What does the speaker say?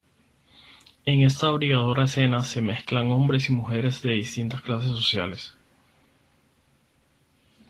En esta abigarrada escena se mezclan hombres y mujeres de distintas clases sociales.